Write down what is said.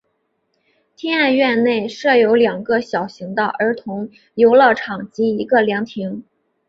天爱苑内设有两个小型的儿童游乐场及一个凉亭。